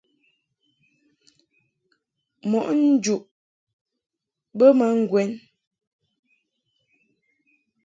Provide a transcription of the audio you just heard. Mɔʼ njuʼ bə ma ŋgwɛn.